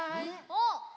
おっ！